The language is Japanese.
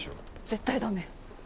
絶対駄目！